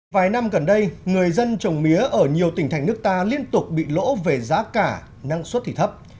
vài năm gần đây người dân trồng mía ở nhiều tỉnh thành nước ta liên tục bị lỗ về giá cả năng suất thì thấp